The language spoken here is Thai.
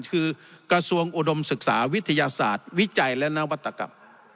คือกระทรวงอุดมศึกษาวิทยาศาสตร์วิจัยและนวัตกรรม